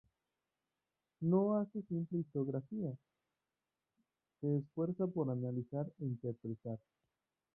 No hace simple historiagrafía.Se esfuerza por analizar e interpretar.